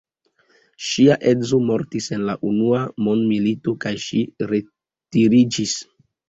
Ŝia edzo mortis en la unua mondmilito kaj ŝi retiriĝis.